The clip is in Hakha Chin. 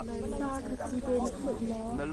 Sa kha cite na phulh maw?